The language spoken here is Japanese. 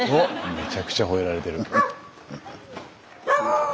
めちゃくちゃほえられてる。